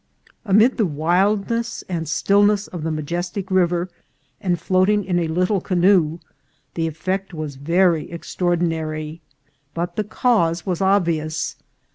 Amid the wildness and stillness of the majestic river, and floating in a lit tle canoe, the effect was very extraordinary; but the cause was obvious.